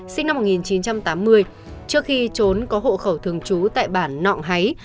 sinh năm một nghìn chín trăm tám mươi trước khi trốn có hộ khẩu thường trú tại bản nọng háy